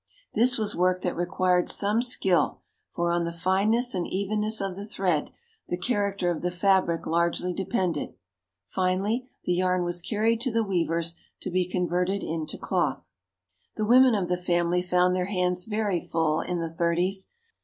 This was work that required some skill, for on the fineness and evenness of the thread the character of the fabric largely depended. Finally, the yarn was carried to the weavers to be converted into cloth. The women of the family found their hands very full in the "Thirties."